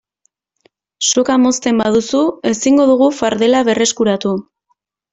Soka mozten baduzu ezingo dugu fardela berreskuratu.